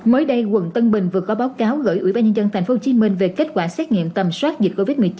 mới đây quận tân bình vừa có báo cáo gửi ủy ban nhân dân tp hcm về kết quả xét nghiệm tầm soát dịch covid một mươi chín